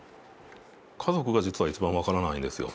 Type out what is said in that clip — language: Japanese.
家族が実は一番分からないんですよ。